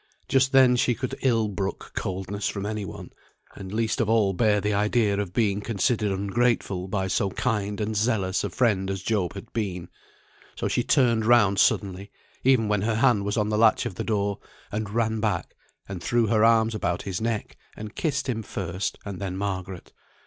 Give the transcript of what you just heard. Just then she could ill brook coldness from any one, and least of all bear the idea of being considered ungrateful by so kind and zealous a friend as Job had been; so she turned round suddenly, even when her hand was on the latch of the door, and ran back, and threw her arms about his neck, and kissed him first, and then Margaret.